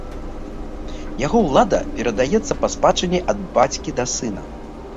Яго ўлада перадаецца па спадчыне ад бацькі да сына.